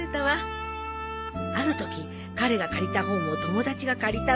あるとき彼が借りた本を友達が借りたの。